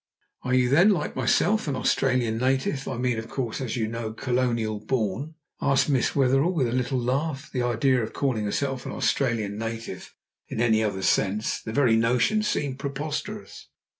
"Are you then, like myself, an Australian native? I mean, of course, as you know, colonial born?" asked Miss Wetherell with a little laugh. The idea of her calling herself an Australian native in any other sense! The very notion seemed preposterous.